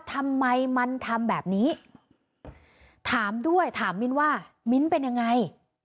ทำไมมันทำแบบนี้ถามด้วยถามมิ้นว่ามิ้นเป็นยังไง